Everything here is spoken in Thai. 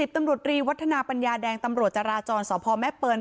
ตำรวจรีวัฒนาปัญญาแดงตำรวจจราจรสพแม่เปิล